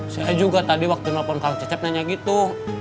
saya juga tadi waktu nelpon kang cecep nanya gitu